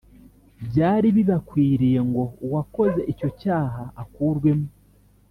byari bibakwiriye ngo uwakoze icyo cyaha akurwemo